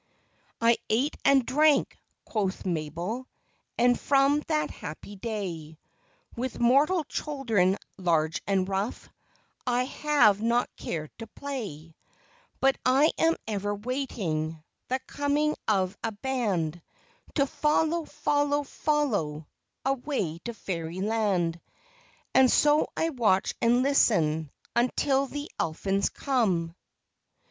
" I ate and drank," quoth Mabel, " And from that happy day, With mortal children, large and rough, I have not cared to play ;— But I am ever waiting, The coming of a band, To follow, follow, follow, Away to fairy land ;" And so I watch and listen, Until the elfins come, 70 FAIRY FARE.